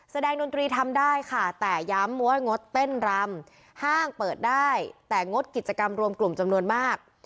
ดนตรีทำได้ค่ะแต่ย้ำว่างดเต้นรำห้างเปิดได้แต่งดกิจกรรมรวมกลุ่มจำนวนมาก